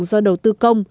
do đầu tư công